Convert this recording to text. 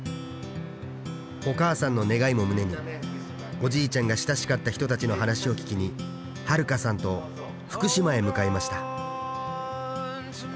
お母さんの願いも胸におじいちゃんが親しかった人たちの話を聞きにはるかさんと福島へ向かいました